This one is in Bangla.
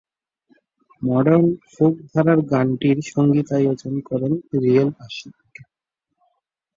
মডার্ন ফোক ধারার গানটির সঙ্গীতায়োজন করেন রিয়েল আশিক।